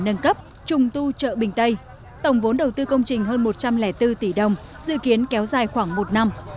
nâng cấp trùng tu chợ bình tây tổng vốn đầu tư công trình hơn một trăm linh bốn tỷ đồng dự kiến kéo dài khoảng một năm